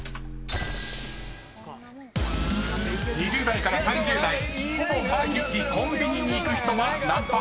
［２０代から３０代ほぼ毎日コンビニに行く人は何％か］